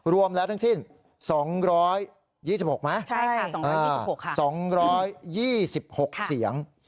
รวมแล้วทั้งสิ้น๒๒๖เสียง